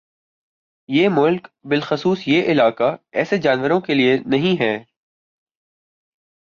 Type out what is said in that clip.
یہ ملک بلخصوص یہ علاقہ ایسے جانوروں کے لیے نہیں ہے